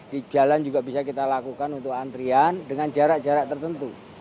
di jalan juga bisa kita lakukan untuk antrian dengan jarak jarak tertentu